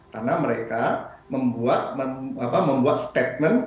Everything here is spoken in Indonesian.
karena mereka membuat statement